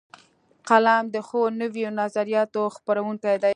قلم د ښو نویو نظریاتو خپروونکی دی